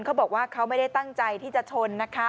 เขาบอกว่าเขาไม่ได้ตั้งใจที่จะชนนะคะ